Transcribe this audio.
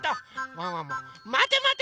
ワンワンもまてまて！